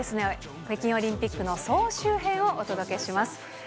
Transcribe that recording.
一足早く、北京オリンピックの総集編をお届けします。